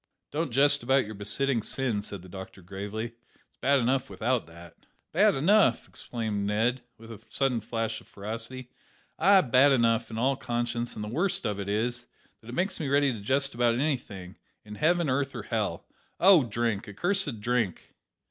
"Don't jest about your besetting sin," said the doctor gravely; "it's bad enough without that." "Bad enough," exclaimed Ned, with a sudden flash of ferocity; "ay, bad enough in all conscience, and the worst of it is, that it makes me ready to jest about anything in heaven, earth, or hell. Oh, drink! accursed drink!"